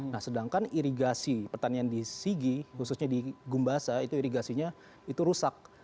nah sedangkan irigasi pertanian di sigi khususnya di gumbasa itu irigasinya itu rusak